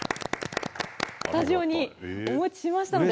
スタジオにお持ちしましたので。